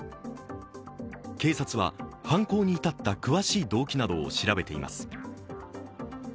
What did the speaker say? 警察は犯行に至った詳しい動機などを調べいます。